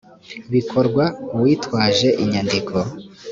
bikorwa uwitwaje inyandiko